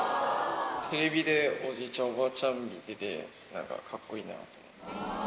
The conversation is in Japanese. テレビでおじいちゃん、おばあちゃん見てて、なんかかっこいいなと思って。